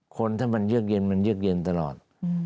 คนถ้ามันเยือกเย็นมันเยือกเย็นตลอด